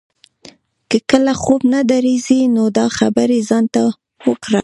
که کله خوب نه درځي نو دا خبرې ځان ته وکړه.